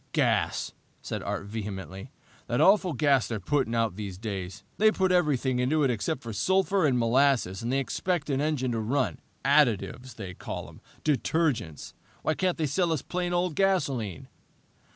"Gas!" said Art vehemently. "The awful gas they're putting out these days. They put everything into it except sulphur and molasses, and they expect an engine to run. Additives, they call 'em! Detergents! Why can't they sell us plain old gasoline?"